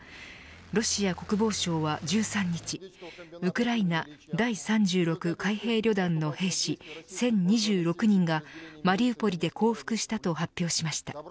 ロシア国防省は１３日ウクライナ第３６海兵旅団の兵士１０２６人がマリウポリで降伏したと発表しました。